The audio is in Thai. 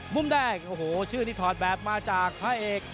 มุมแดงโอ้โหชื่อนี้ถอดแบบมาจากพระเอก